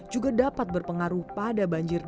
juga dapat berpengaruh pada banjir